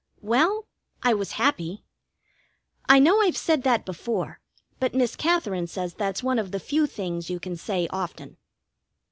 Well, I was happy. I know I've said that before, but Miss Katherine says that's one of the few things you can say often.